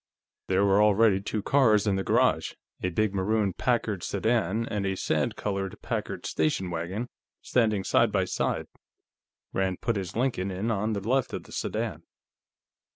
There were already two cars in the garage; a big maroon Packard sedan, and a sand colored Packard station wagon, standing side by side. Rand put his Lincoln in on the left of the sedan.